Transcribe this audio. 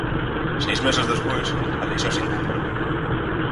Seis meses despois, a lei xa se incumpre.